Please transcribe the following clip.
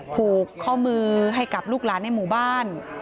ผูกข้อมือให้กับลูกหลานในหมู่บ้าน